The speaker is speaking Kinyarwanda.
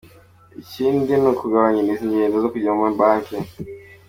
Ikindi ni ukubagabanyiriza ingendo zo kujya ku mabanki.